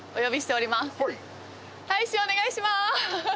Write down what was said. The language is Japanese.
大使お願いします！